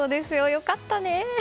良かったね！